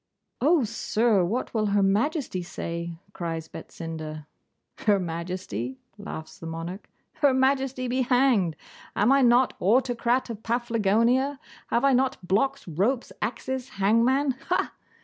'Oh, sir! what will Her Majesty say?' cries Betsinda. 'Her Majesty!' laughs the monarch. 'Her Majesty be hanged. Am I not Autocrat of Paflagonia? Have I not blocks, ropes, axes, hangmen ha?